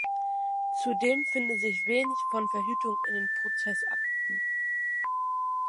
Zudem finde sich wenig von Verhütung in den Prozessakten.